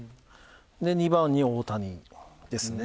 ２番に大谷ですね。